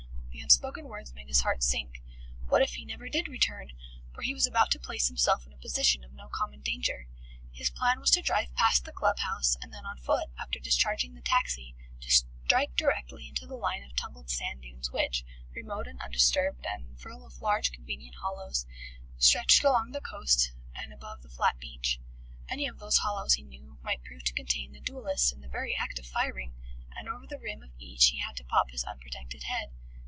The unspoken words made his heart sink. What if he never did return? For he was about to place himself in a position of no common danger. His plan was to drive past the club house, and then on foot, after discharging the taxi, to strike directly into the line of tumbled sand dunes which, remote and undisturbed and full of large convenient hollows, stretched along the coast above the flat beach. Any of those hollows, he knew, might prove to contain the duellists in the very act of firing, and over the rim of each he had to pop his unprotected head.